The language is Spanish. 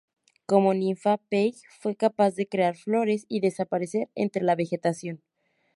Como ninfa, Paige fue capaz de crear flores y desaparecer entre la vegetación.